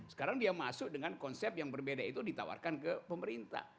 sekarang dia masuk dengan konsep yang berbeda itu ditawarkan ke pemerintah